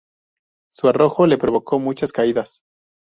Su arrojo le provocó muchas caídas.